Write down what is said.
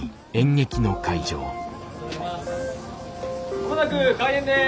間もなく開演です。